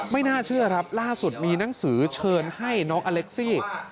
ไม่น่าเชื่อครับล่าสุดมีหนังสือเชิญให้น้องอเล็กซี่